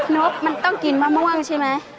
นกมันต้องกินมะม่วงใช่ไหม